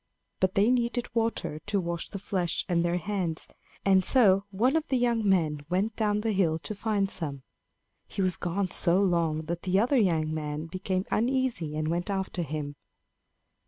But they needed water to wash the flesh and their hands; and so one of the young men went down the hill to find some. He was gone so long that the other young man became uneasy and went after him.